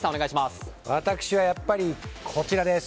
私は、やっぱりこちらです。